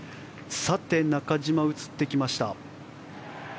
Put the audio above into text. さて、中島が映ってきました。